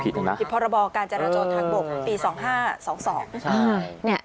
ผิดพรบการจราจรทางบกปี๒๕๒๒